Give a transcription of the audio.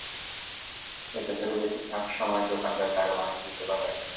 এতে করে বেশির ভাগ সময় দোকানদার টাকা ভাঙতি দিতে পারবে না।